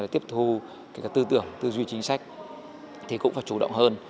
tiếp thu cái tư tưởng tư duy chính sách thì cũng phải chủ động hơn